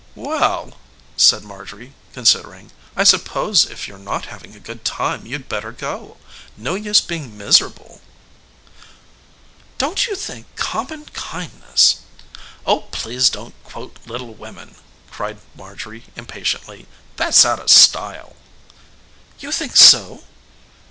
"Well," said Marjorie, considering, "I suppose if you're not having a good time you'd better go. No use being miserable." "Don't you think common kindness " "Oh, please don't quote 'Little Women'!" cried Marjorie impatiently. "That's out of style." "You think so?"